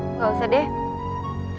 nggak usah deh